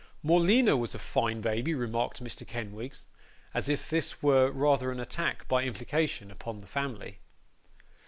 'Morleena was a fine baby,' remarked Mr. Kenwigs; as if this were rather an attack, by implication, upon the family.